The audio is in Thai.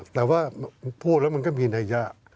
แต่ว่าพูดแล้วมันก็มีนัยยะ